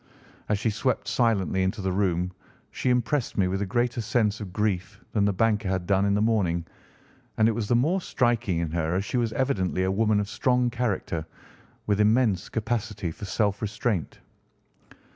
As she swept silently into the room she impressed me with a greater sense of grief than the banker had done in the morning, and it was the more striking in her as she was evidently a woman of strong character, with immense capacity for self restraint.